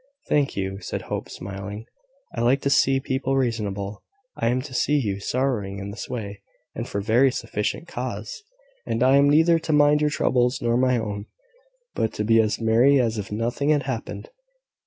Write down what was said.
"Thank you!" said Hope, smiling. "I like to see people reasonable! I am to see you sorrowing in this way, and for very sufficient cause, and I am neither to mind your troubles nor my own, but to be as merry as if nothing had happened!